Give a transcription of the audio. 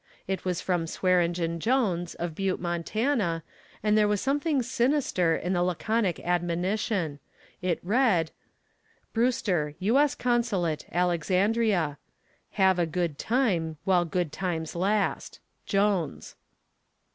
It was from Swearengen Jones, of Butte, Montana, and there was something sinister in the laconic admonition. It read: "BREWSTER, U.S. CONSULATE, ALEXANDRIA. "Have a good time while good times last. "JONES."